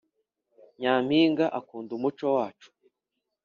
nyampinga akunda umuco wacu